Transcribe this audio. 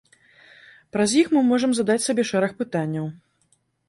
Праз іх мы можам задаць сабе шэраг пытанняў.